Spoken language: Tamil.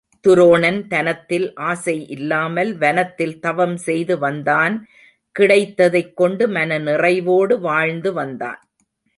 துரோணன் தனத்தில் ஆசை இல்லாமல் வனத்தில் தவம் செய்து வந்தான் கிடைத்ததைக் கொண்டு மன நிறைவோடு வாழ்ந்து வந்தான்.